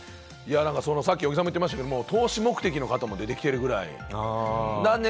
さっき小木さんも言ってましたけれど、投資目的の方も出てきているぐらい。